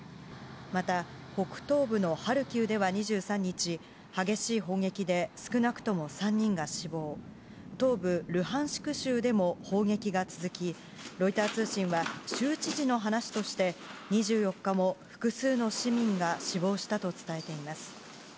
また、北東部のハルキウでは２３日、激しい砲撃で、少なくとも３人が死亡、東部ルハンシク州でも砲撃が続き、ロイター通信は州知事の話として、２４日も複数の市民が死亡したと伝えています。